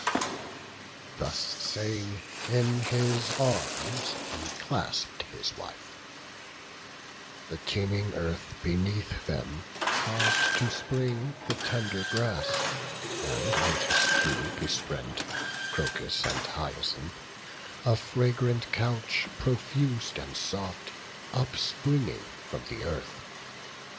Thus saying, in his arms he clasp'd his wife; The teeming earth beneath them caus'd to spring The tender grass, and lotus dew besprent, Crocus and hyacinth, a fragrant couch, Profuse and soft, upspringing from the earth.